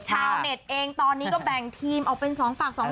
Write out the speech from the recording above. เจ้าเหน็ดเองตอนนี้ก็แบ่งทีมเอาเป็น๒ฝั่งฝ่าด